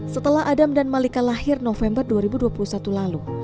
setelah adam dan malika lahir november dua ribu dua puluh satu lalu